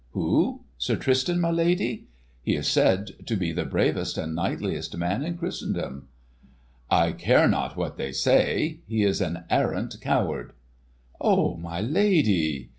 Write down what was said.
"Who—Sir Tristan, my lady? He is said to be the bravest and knightliest man in Christendom." "I care not what they say. He is an arrant coward!" "Oh, my lady!"